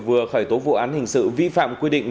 vừa khởi tố vụ án hình sự vi phạm quy định